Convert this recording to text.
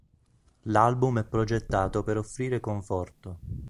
L'album è progettato per offrire conforto.